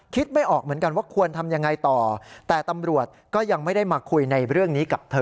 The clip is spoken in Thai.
ไม่ออกเหมือนกันว่าควรทำยังไงต่อแต่ตำรวจก็ยังไม่ได้มาคุยในเรื่องนี้กับเธอ